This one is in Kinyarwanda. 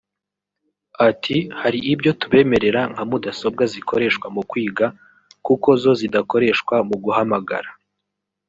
Ati “Hari ibyo tubemerera nka mudasobwa zikoreshwa mu kwiga kuko zo zidakoreshwa mu guhamagara”